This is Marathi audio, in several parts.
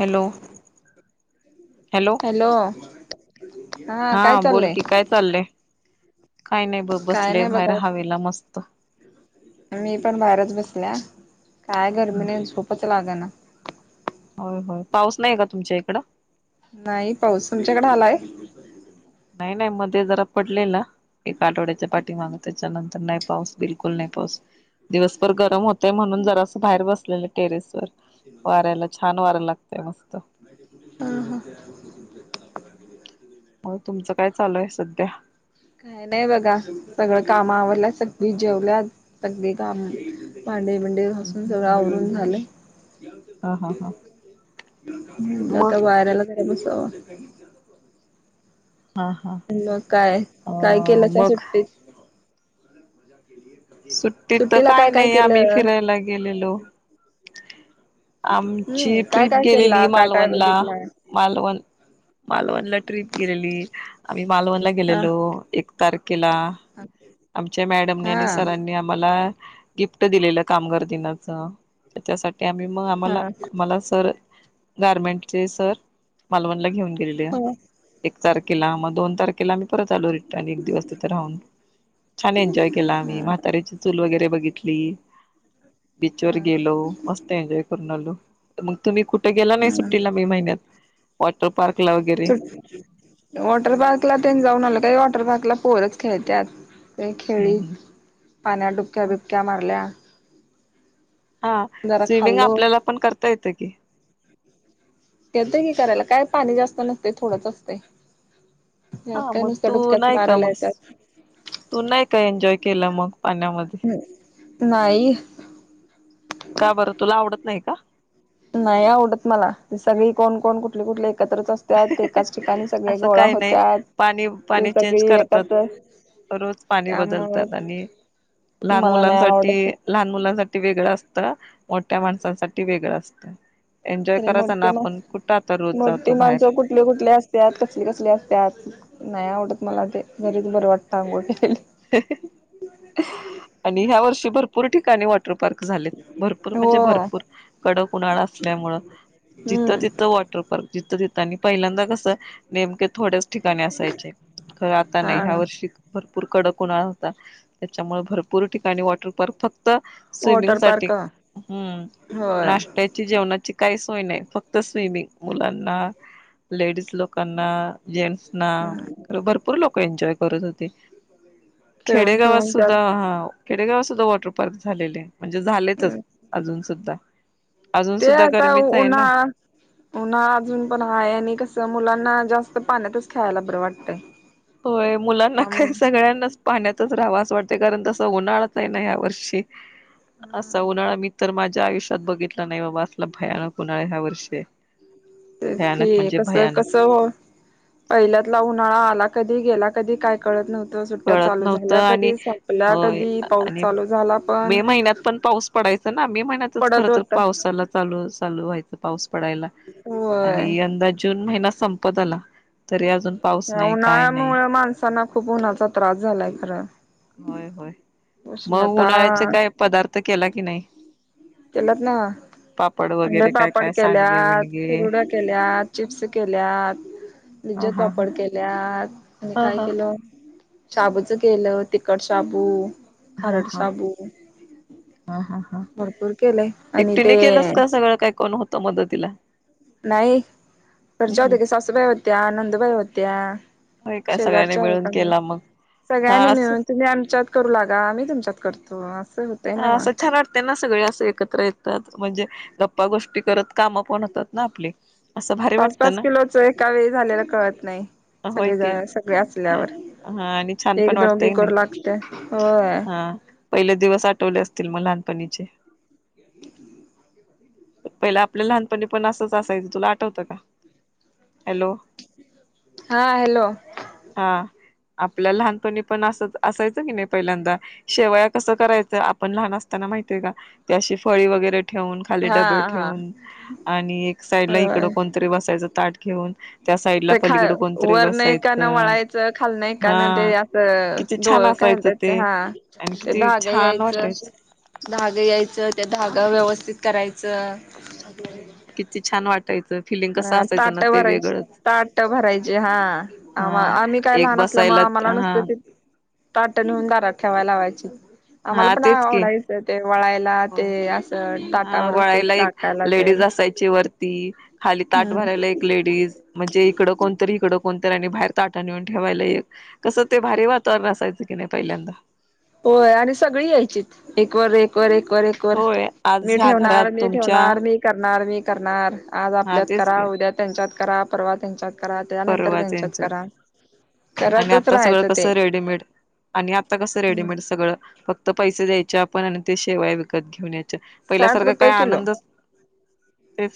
[inaudible] हॅलो -हॅलो हा काय चाललंय बोलकी काय चाललंय? काही नाही ब काय बसले नाही बाहेर बघा हवेला मस्त मी पण बाहेरच [inaudible] बसल्या काय गरमी न नाही झोपच लागना होय -होय पाऊस नाही का तुमच्या इकडं नाही पाऊस तुमच्याकडे आलाय [inaudible] नाही- नाही मध्ये जरा पडलेला एका आठवड्याच्या पाठीमाग त्यांच्या नंतर नाही पाऊस बिलकुल नाही पाऊस दिवसभर गरम होतय म्हणून जरास असं बाहेर बसलेलं टेरेस वर वाऱ्याला छान वारायला लागतय मस्त हो ह [inaudible] मग तुमचं काय चालूय सध्या काय नाही बघा सगळं काम आवडलं सगळी जेवल्या [inaudible] सगळी काम भांडे बंडेसून सगळं आवरून झाले हा हा हा मला मग तर वयरला का बस हा हा मग काय अ काय केलं त्या मग सुट्टीत सुट्टी तर सुट्टीला काय काही काय नाही आम्ही केलं फिरायला गेलेलो आमची हम्म काय ट्रिप काय गेलेली केला काय काय मालवणला बघितलाय मालवण मालवणला ट्रिप गेलेली आम्ही मालवणला हा गेलेलो एक तारखेला आमच्या मॅडमनी आणि हा सरांनी आम्हाला गिफ्ट दिले कामगार दिनाच्या र्त्या आम्ही मग आम्हाला हा आम्हाला सर गारमेंट चे सर मालवणला घेऊन ग हो एक तारखेला मग दोन तारखेला आम्ही परत आलो रिटर्न एक दिवस तिथे राहून छान एन्जॉय केला आम्ही हा म्हातार्याची चूल वगैरे बघितली बीच वर गेलो मस्त एन्जॉय करून आलो मग तुम्ही कुठे गेला नाही सुट्टीला मे महिन्यात वॉटर पार्कला वगैरे वॉटर पार्कला ते जाऊन आल का वॉटर पार्क आपला पोरच खेळतात ते हम्म हम्म खेळीत पाण्यात डुबक्या बिबक्या मारल्या हा जरा स्विमिंग खाल्लो आपल्याला पण करता येतं की येत की करायला काय पाणी जास्त नसते थोडंच असत हा मग तू नाही का मग तू नाही का एन्जॉय केलं मग पाण्यामध्ये नाही काय बरं तुला आवडत नाही का नाही आवडत मला सगळी कोण कोण कुठले कुठले एकत्रच असतात एकाच ठिकाणी सगळे असं गोळा काही नाही होत्याात पाणी ते पाणी चेंज सगळी करतात. एकत्र रोज पाणी बदलतात आणि त्यामुळं लहान मला नाही मुलांसाठी आवडत ते. लहान मुलांसाठी वेगळां अस मोठ्या माणसाांसाठी वेगळं असतं एन्जॉय तरी करायचा ना मोठी आपण कुठं आता रोज जातो बाहेर कुठले कुठले असत कसले कसले असत नाही आवडत मला ते घरीच बरं वाटतं आंघोठ्याला आणि ह्या वर्षी भरपूर ठिकाणी वाट पार्क झाले भरपूर हो म्हणजे भरपूर कडक उन्हाळा असल्यामु जिथं हम्म तिथं वॉटर पार्क जिथं तिथं पहिल्यांदा कसं नेमके थोड्याच ठिकाणी असायचे खरं आता नाही ह्या हा वर्षीर भरपूर कडक उनळा होता त्याच्यामुळे भरपूर ठिकाणी वॉटर पार्क फक्त स्विमिंग वॉटर पार्क साठी्म होय नाष्ट्याची जेवणाची काही सोय नाही फक्त स्विमिंग मुलांना लेडीज लोकांना जेंट्स ना हम्म. भरपूर लोक एन्जॉय करत होते खेळून खेडेगावात खेळून सुद्धा त्यात हा खेडेगावात सुद्धा वॉटर पार्क झालेले म्हणजे झालेचच अजून सुद्धा अजून ते सुद्धा आता गरमीच आहे उन्हा ना उन्हा अजून पण आहेा आणि कस मुला ना जास्त पाण्यातच ख्यायला बरं वाटतं होय मुलांना काय सगळ्यांनाच पाण्यात रावास वाटते कारण तस उन्हाळाच आहे ना या वर्षी असा उन्हाळा मी तर माझ्या आयुष्यात बघितलं नाही बाबा असला भयानक को उणाळ ह्या वर्षी तेच कि भयानक म्हणजे कस भयानक कस पहिल्यातला उन्हाळा आला कधी गेला कधी कायळत नव्हं कळत नव्हत आणि होय कधी पाऊस आणि चालू झाला पण मे महिन्यात पण पाऊस पडाय ना म्ही महिनतच खर पडत तर होता पावसाला चालूच चालू व्हायच पाऊस पडायला होय आणि यंदा जून महिना संपत आला तरी अजून पाऊस ह नाही काय नाही उन्हाळ्यामुळे माणसांना खूप उन्हाचा त्रास झालाय खरं होय होय मग उष्णता उन्हाळ्याचे काय पदार्थ केला की नाही केलात ना पापड अंडे वगैरे काय पापड काय सांडगे केल्यात विणगे कुरुड्या केल्यात चिप्स केल्यात ह भाजत हा ह पापड केल्यात आणि हा काय हा केलं शाबूच केलं तिखट शाबू हा खरड हा साबू भरपूर केलंय आणि ते एकटीने केलंस का सगळं काय कोण होतं मदतीला नाही घरच्या हम् होत्या की सासूबाई होत्या नंदबाई होत्या होय काय सगळ्यांनी शेजारच्या मिळून वकांून केला मग हा सगळ्यांना असं मिळून तुम्ही आमच्यात करू लागा आम्ही तुमच्यात करतो असं होतंय ना हा असं मग छान वाटतेय ना सगळे असं एकत्र आहेत म्हणजे गप्पा गोष्टी करत काम पण होतात ना आपली असं भारी पाच वाटतं पाच ना किलोच एका वेळी झालेला कळत नाही होय सगळे ज की सगळे असल्यावर हा आणि छान पण एक दोघी वाटतय नाही करू लागते होय हा पहिले दिवस आठवले असतील मग लहानपणीचे पहिला आपल्या लहानपणी पण असंच असायचं तुला आठवतं का हॅलो हा हॅलो हा आपल्या लहानपणी पण अस असायचं की नाही पहिल्यांदा शेवया कसं करायचं आपण लहान असताना माहितय का ते अशी फळी वगैरे ठेऊून खाली हा डबे हा ठेऊून आणि एक साईड ला इकड कोणतरी बसायचं ताट घेऊन त्या साईडला तर ख पलीकडं कोणतरी वर नाही कान बसायचं वळायचं खाल नाही कान ते हा असं किती छान असायचं ते हा आणि ते किती दहा छान यायचं वाटायचं धागा यायचं त्या धागा व्यवस्थित करायचं हम्म किती छान वाटायचं फिलिंग अ कसं असायचं ताट ना ते भरायची वेगळंच ताट भरायचे हा आ हा आम्ही काय एक लहान असल्या मग बसायला आमला हा नसते ते ताटेेऊन दारात ठेवाय लावायची आम्हाला हा पण तेच की आवडायचं ते वळायला ते होय असं ताटावर होते टाकायला ते व खाली त भ हम्म लेज म्हणजे इडणत इडण बाहेर ताटा नेऊन ठेवायला एक कसं ते भारी वातावरण असायचं की नाही पहिल्यांदा होय आणि सगळी यायचीत एक वर एक वर एक वर एक वर होय आज मी ह्या घरात ठेवणार मी तुमच्या ठेवणार मी करणार मी करणार आज हा आपल्यात तेच करा की उद्या त्यांच्यात करा परवा त्यांच्यात करा त्यानंतर परवाच त्यांच्यात यांच्यात करा आणि करतच आता सगळं राहायचं कस ते रेडीमेड आणि आता कसं हम्म रेडीमेड सगळं फक्त तर पैसे द्यायचे आपण आणि ते शेवाय विकत घेऊन याच्या साठ पहिल्यासारखा काय रुपये किलो आनंदच ते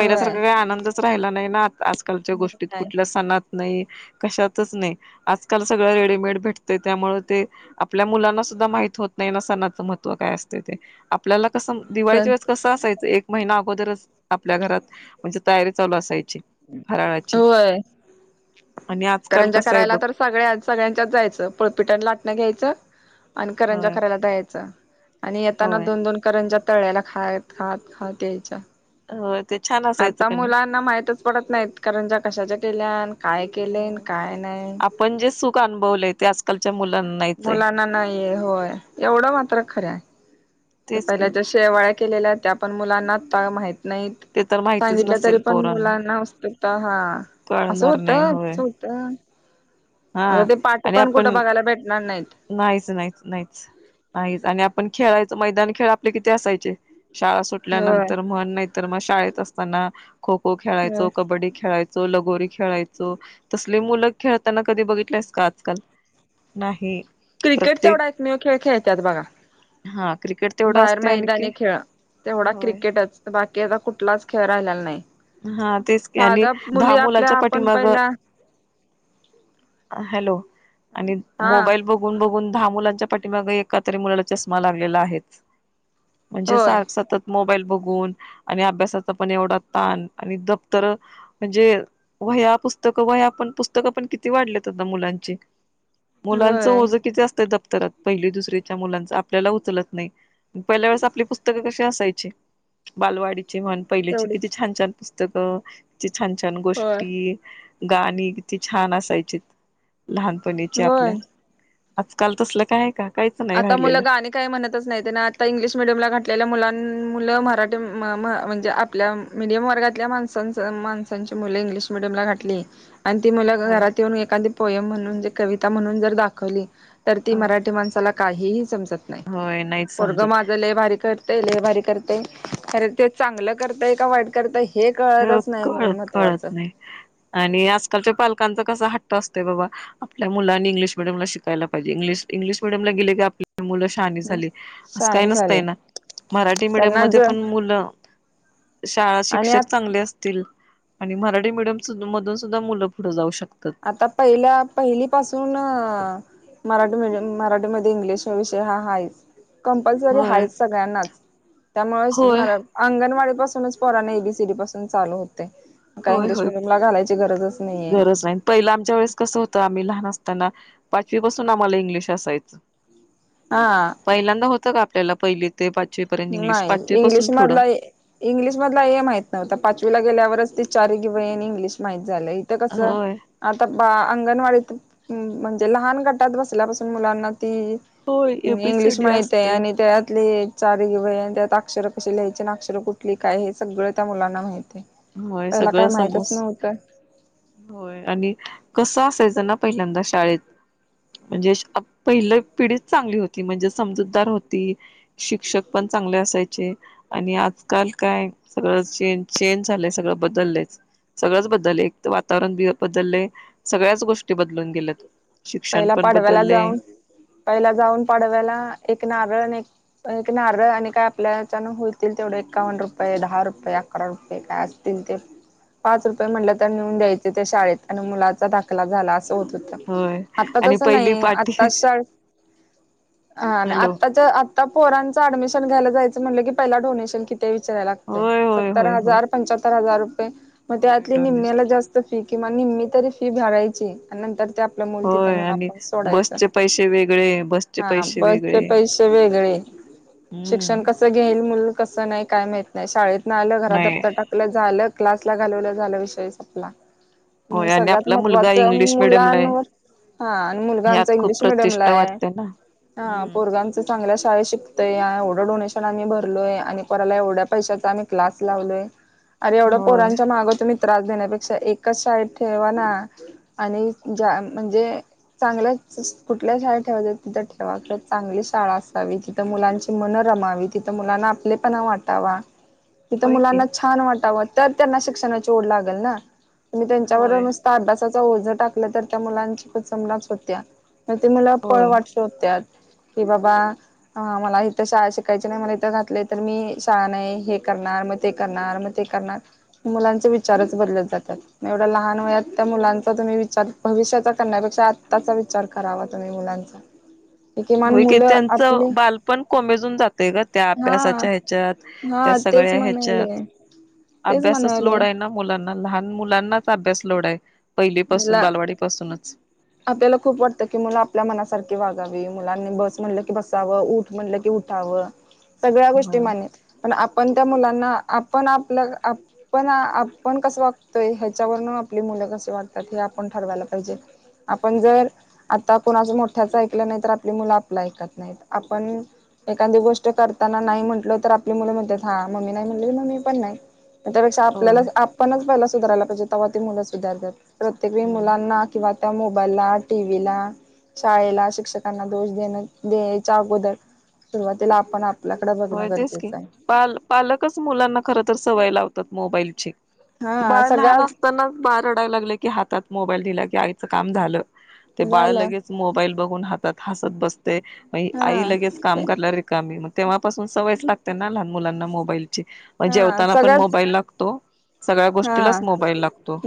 होय काही आनंदच राहिला नाही ना आजकालच्या गोष्टीत काय कुठल्या सणत नाही कशात आजकाल सगळ रेडीमेड भेटत त्यामुळे ते आपल्या मुलांना सुधा माहत नाही ह आपल्याला कसं दिवाळीच्या सण वेळेस कसं असायचं एक महिना अगोदरच आपल्या घरात म्हणजे तयारी चालू असायची राची होय आणि आजकाल करंजा कसं आहे करायला बघ तर सगळ्या सगळ्यांच्याच जायचं पुळपीटनी लाटणं घ्यायचं आणि करंजा होय करायला दयच आणि येताना होय दोन दोन करंजा तळ्याला खा खात खात यायच्या होय ते छान असायचं आता का नाही मुलांना माहितच पडत नाहीत कारण ज्या कशाच्या केल्या काय केले होय काय नाही आपण जे सुख अनुभवलंय ते आजकालच्या मुलांना नाहीच आहे मुलांना नाही होय एवढं मात्र खरं आहे तेच पहिल्या की जशेवाळ्या केलेल्या त्या आपण मुलांना माहित नाहीत ते तर माहितीच सांगितलं तरी नसेल पण पोरांना मुलांना असत हा असं कळणार होत नाही होय अस होत हा आणि आपण बघायला भेटणार नाहीत. नाहीच नाहीच नाहीच नाहीच आणि आपण खेळायचं. मैदान खेळ आपले किती असायचे. शाळा होय सुटल्यानंतर म्हण नाही तर मग शाळेत असताना खो खो होय. खेळायचो. कबड्डी खेळायचो. लगोरी खेळायचो. तसले मुलं खेळ त्यांना कधी बघितलंस का आजकाल? नाही. क्रिकेट प्रत्येक तेवढा एकमेव खेळ खेळतात बघा हा क्रिकेट तेवढं बाहेर असते आणि की मैदाने खेळ तेवढा होय क्रिकेटच बाकी आता कुठलाच खेळ राहिलेला नाही. हा तेच की आणि साधा दहा मुली आपल्या मुलांच्या आपण पाठीमाग पहिला हॅलो आणि हा मोबाईल बघून बघून दहा मुलांच्या पाठीमाग एका तरी मुलाला चष्मा लागलेला आहेच. म्हणजे होय सारखं सतत मोबाईल बघून आणि अभ्यासाचा पण एवढा ताण आणि दप्तर म्हणजे वह्या पुस्तक वह्या पण पुस्तक पण किती वाढले? मुलांची मुलांच होय ओझ किती असतय दप्तरात? पहिली, दुसरीच्या मुलांच आपल्याला उचलत नाही. पहिल्या वेळेस आपली पुस्तकं कशी असायची. बालवाडीची म्हण पहिलीची किती तेवढीच छान छान पुस्तकं किती छान छान होय. गोष्टी... गाणी किती छान असायचीत. लहानपणीची आपल्या होय. आजकाल तसल काय आहे का? काहीच नाही आता मुलं राहिलेलं गाणी काही म्हणतच नाही. आणि आता इंग्लिश मिडियमला घातलेल्या मुलां- मुलं मराठी म्हणजे आपल्या मिडीयम वर्गातील माणसांची मुले इंग्लिश मिडियमला घातली. आणि ती मुलं होय घरात येऊन एखादी पोयम म्हणून कविता म्हणून जर दाखवली. तर ती होय मराठी माणसाला काहीही समजत नाही. होय नाहीच पोरगं समजत माझ लई भारी कर लयभारी करतेय. खर ते चांगलं करताय का वाईट करताय हो कळत कळत नाही आणि आजकालच्या पालकांच कसा हट्ट असतोय बाबा आपल्या मुलांनी इंग्लिश मिडियमला शिकायला पाहिजे. इंग्लिश मिडयमला गेले की आप मुलं शहानी झाली. असं काही शहाणी झाले नसतय ना मराठी त्यांना मिडीयममध्ये ज पण मुलं शाळा आणि शिक्षक चांगले असतील आणि मराठी मिडियम मधून सुद्धा मुलं पुढे जाऊ शकत. आता पहिल्या पहिली पाासून मराठी मिडीयम मराठीमध्ये इंग्लिश हा विषय हा आहेच. कंपल्सरी होय आहेच सगळ्यांनाच होय त्यामुळे अंगणवाडी पासूनच पोरांना एबीसीडी पासून चालू होतेय. का होय इंग्लिश होय मिडीयमला घालायची गरजच नाहीये. गरज नाही पहिलं आमच्या वेळेस कसं होतं. आम्ही लहान असताना पाचवी पासून आम्हाला इंग्लिश असायचं. हा पहिल्यांदा होतं का आपल्याला पाहिलीत? नाही. इंग्लिश मधला इंग्लिश मधला ए माहित नव्हता. पाचवीला गेल्यावरच ति चार रेघी वही आणि इंग्लिश माहित झालय. इथ कसं होय आता बा अंगणवाडीत म्हणजे लहान गटात बसल्यापासून मुलांना ती होय इंग्लिश एबीसीडी माहित आहे असते आणि त्यातली चार रेघी वही आणि त्यात अक्षरं कशी लिहायची आणि अक्षरं कुठली काय हे सगळं त्या मुलांना माहीत आहे. होय पहिला काय सगळं माहितच समजत. नव्हतं. होय आणि कस पहिल्यांदा शाळेत म्हणजे पहिली पिढी चांगली होती. म्हणजे समजूतदार होती. शिक्षक पण चांगले असायचे आणि आजकाल काय सगळं चेंज चेंज झालय. सगळं बदलयच. सगळंच बदललंय. एक तर वातावरण बदलले. सगळ्याच गोष्टी बदलून गेल्यात शिक्षण पहिला पण पाडव्याला बदललंय जाऊन पहिला जाऊन पाडव्याला एक नारळ आणि एक एक नारळ आणि काय आपल्याच्यान होतील तेवढे एकावन्न रुपये, दहा रुपये, अकरा रुपये काय असतील पाच रुपये म्हटले तर नेऊन द्यायचे ते शाळेत आणि मुलाचा दाखला झाला. अस होत होतं. होय त आणि पहिली नाही आ पाटी हॅलो आ पोरांचं अडमिशन घ्यायला जायचं म्हटलं की पहि डोशन कि ते विचारयला लागते होय होय सत्तर होय होय हजार पंच्याहत्तर हजार रुपये मग होय त्यातली डोनेशन निम्म्याला जास्त फ किंवा निममी तरी फी भरायची आणि नंतर ते आपलं मुल तिथ होय आणि आपण सोडायचं बसचे पैसे वेगळे बसचे हा पैसे बसचे वेगळे पैसे वेगळे शिक्षण हम्म कसं घेईल मुल कस नाही काय माहत नाही शाळेत नाही आलं घरात नाही दप्त टाकलं झालं क्लासला घालवलं झाला विषय सपला होय आणि सगळ्यात आपला मुलगा महत्त्वाच इंग्लिश मिडियमला आहे. मुलांवर हा आणि मुलगा आम ह्यात खूप इंग्लिश मिीडियम ला प्रतिष्ठा आहे वाटते ना. हा हम्म पोरग चांगल्या शाळ शिकतय एवढं डोनेशन आम्ही भरलोय आणि पराला एवढ्या पैशाचा आम्ही क्लास लावलोय अरेवढं होय पोरांच्या माग तुम्ही त्रास देण्यापेक्षा एकच साईड ठेवाना आणि ज म्हणजे चांगल्याच कुठल्या शाळेत ठेवायच तिथं ठेवा किं चांगली शाळा असावी तिथं मुलांची मनत रमावी तिथं मुलांना आपले पणा वाटावा तिथं होय की मुलांना छान वाटावं तर त्यांना शिक्षणाची ओढ लागेल ना तुम्ही त्यांच्यावर होय नुसता अभ्यासाचा ओझं टाकलं तर त्या मुलांची पचमनाच होत्या म ते मुला पळ होय. वाटत होतत कि बाबा हा मला इथं शाळा शिकायची नाही मला इथं घातलंय तर मी शाळा नाही हे करणार मग ते करणार मग ते मुलांचे विचारच बदलत जातात एवढ्या लहान वयात त्या मुलांचा तुम्ही विचार भविष्याचा करण्यापेक्षा आताचा विचार करावा तुम्ही मुलांचा किमान होय की मुलं आपले त्यांचं बालपण कोमेजून जातय ग त्या हा अभ्यासाच्या ह्याच्यात त्या हा तेच सगळ्या ह्याच्यात म्हणाले तेच अभ्यासच लोड म्हणाले. आहे ना मुलांना लहान मुलांनाच अभ्यास लोड आहे पहिली पाासून मुला बालवाडी पाासूनच आपल्याला खूप वाटतं की मुला आपल्या मनासारखी वागावी मु बा स गो होय पण त्या मुलांना आपण आपल्या आपण आपण कसं वागतोय ह्याच्यावरन आपली मु क वाटतात हे आपण ठरवायला पाहिजे आपण जर आता कोणाच, मोठ्याचं ऐकलं नाही, तर आपली मुलं आपलं ऐकत नाहीत. आपण एखादी गोष्ट करताना नाही म्हटलं? तर आपली मुलं म्हणतात. हा मम्मी नाही म्हटले म मी पण नाही. त्यापेक्षा आपल्याला होय. आपणच पहिला सुधारायला पाहिजे. तेव्हा ती मुलं सुधारतात प्रत्येक वेळी हम्म मुलांना किंवा त्या मोबाईलला, टीव्हीला शाळेला, शिक्षकांना दोष देण द्यायच्या अगोदर, सुरुवातीला आपण आपल्याकडे बघणं होय, तेच की गरजेचं आहे पाल पालकचं मुलांना खरं तर सवय लावतात मोबाईलची. हा बाळ लहान सगळ्यात असतानाचं बाळ रडायला लागले, की हातात मोबाईल दिला की काम झाल, ते बाळ झालं लगेच मोबाईल बघून हातात हसत बस ते हा आई लगेच काम करायला रिकामी, मग तेव्हापासून सवयच लागते, ना लहान मुलांना मोबाईल हा जेवताना पण सगळ्याच मोबाईल लागतो, सगळ्या हा गोष्टीलाच मोबाईल लागतो.